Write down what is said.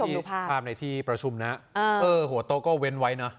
นี่ภาพในที่ประชุมนะหัวโต๊ะก็เว้นไว้เนอะ